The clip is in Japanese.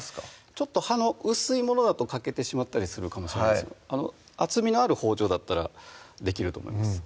ちょっと刃の薄いものだと欠けてしまったりするかもしれないですが厚みのある包丁だったらできると思います